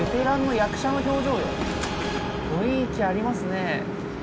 雰囲気ありますね。